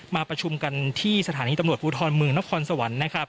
มาประชุมกันที่สถานีตำรวจภูทรเมืองนครสวรรค์นะครับ